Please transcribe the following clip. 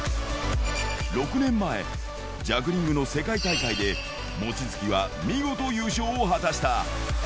６年前、ジャグリングの世界大会で、望月は見事優勝を果たした。